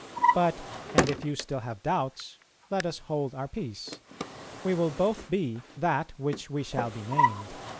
But and if you still have doubts, let us hold our peace. We will both be that which we shall be named."